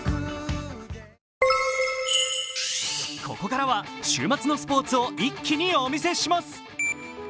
ここからは週末のスポーツを一気にお見せします。